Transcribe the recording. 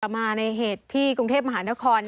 มาในเหตุที่กรุงเทพมหานคร